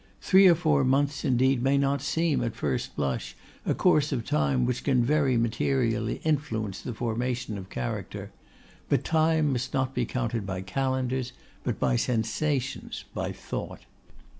Three or four months, indeed, may not seem, at the first blush, a course of time which can very materially influence the formation of character; but time must not be counted by calendars, but by sensations, by thought.